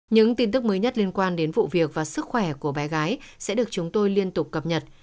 những tin tức mới nhất liên quan đến vụ việc và sức khỏe của bé gái sẽ được chúng tôi liên tục cập nhật